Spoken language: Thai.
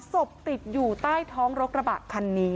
ศพติดอยู่ใต้ท้องรถกระบะคันนี้